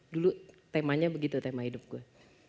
dulu temanya begitu tema hidup gue